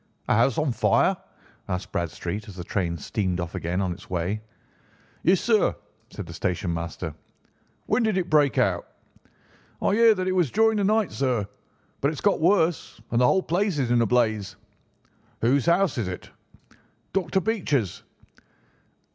"A house on fire?" asked Bradstreet as the train steamed off again on its way. "Yes, sir!" said the station master. "When did it break out?" "I hear that it was during the night, sir, but it has got worse, and the whole place is in a blaze." "Whose house is it?" "Dr. Becher's."